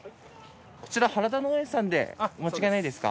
こちら原田農園さんでお間違いないですか？